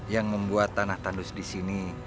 yang membuat tanah tandus disini